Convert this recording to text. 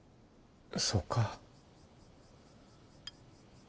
そうか。